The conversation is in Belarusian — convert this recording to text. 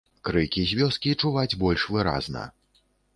Крыкі з вёскі чуваць больш выразна.